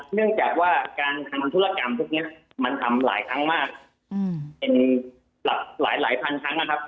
เนื่องจากว่าการทำธุรกรรมพวกนี้มันทำหลายครั้งมากเป็นหลักหลายพันครั้งนะครับ